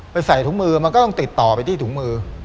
ใส่ถุงมือมันก็ต้องติดต่อไปที่ถุงมือ